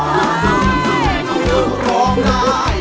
ร้องได้